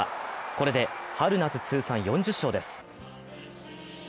これで春夏通算４０勝です。